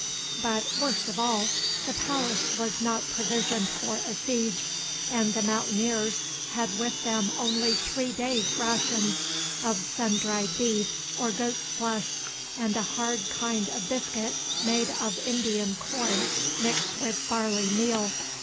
But, worst of all, the palace was not provisioned for a siege, and the mountaineers had with them only three days' rations of sun dried beef or goat's flesh, and a hard kind of biscuit made of Indian corn mixed with barley meal.